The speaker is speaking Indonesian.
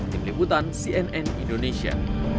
tim liputan cnn indonesia